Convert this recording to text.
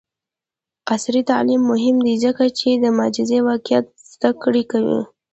عصري تعلیم مهم دی ځکه چې د مجازی واقعیت زدکړه کوي.